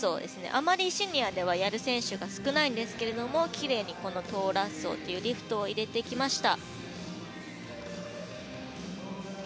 あまりシニアではやる選手は少ないんですが、きれいにリフトを入れてきました。